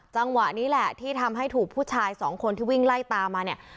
จังหวะนี้แหละที่ทำให้ถูกผู้ชายสองคนที่วิ่งไล่ตามมาเนี่ย